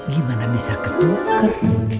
gimana bisa ketuker